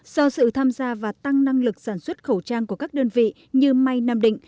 do sự tham gia và tăng năng lực sản xuất khẩu trang của các đơn vị như may nam định